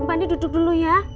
bandit duduk dulu ya